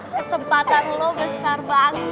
kesempatan lo besar banget